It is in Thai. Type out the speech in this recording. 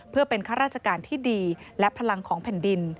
เพื่อเป็นข้าราชการที่ดีและพลังของแผ่นดิน